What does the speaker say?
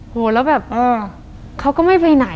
คุณลุงกับคุณป้าสองคนนี้เป็นใคร